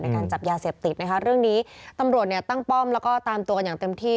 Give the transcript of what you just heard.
การจับยาเสพติดนะคะเรื่องนี้ตำรวจเนี่ยตั้งป้อมแล้วก็ตามตัวกันอย่างเต็มที่